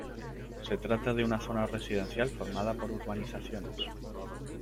Se trata de una zona residencial formada por urbanizaciones.